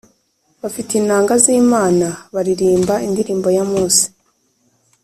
bafite inanga z’imana, baririmba indirimbo ya mose,